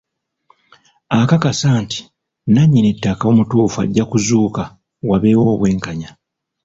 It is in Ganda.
Akakasa nti nnanyini ttaka omutuufu ajja kuzuuka wabeewo obwenkanya.